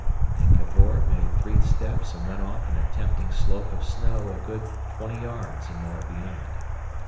and Cavor made three steps and went off to a tempting slope of snow a good twenty yards and more beyond.